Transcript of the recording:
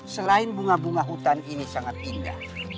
selain bunga bunga hutan ini sangat indah